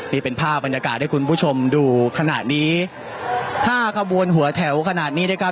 นี่เป็นภาพบรรยากาศให้คุณผู้ชมดูขณะนี้ถ้าขบวนหัวแถวขนาดนี้นะครับ